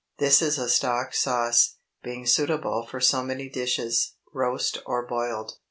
This is a "stock" sauce, being suitable for so many dishes, roast or boiled.